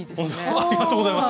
ありがとうございます。